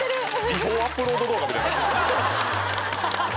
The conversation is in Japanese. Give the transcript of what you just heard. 違法アップロード動画みたいになってる